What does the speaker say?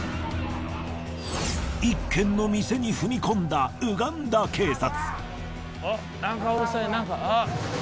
一軒の店に踏み込んだウガンダ警察。